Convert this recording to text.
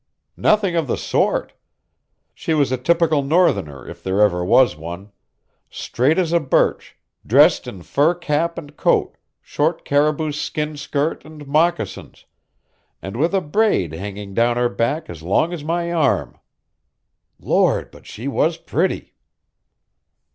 "Nothing of the sort. She was a typical Northerner if there ever was one straight as a birch, dressed in fur cap and coat, short caribou skin skirt and moccasins, and with a braid hanging down her back as long as my arm. Lord, but she was pretty!"